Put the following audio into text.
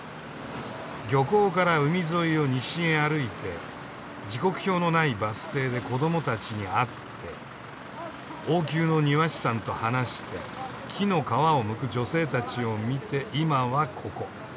漁港から海沿いを西へ歩いて時刻表のないバス停で子どもたちに会って王宮の庭師さんと話して木の皮をむく女性たちを見て今はここ。